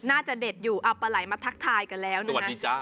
น่าจะเด็ดอยู่เอาปลาไหลมาทักทายกันแล้วนะฮะ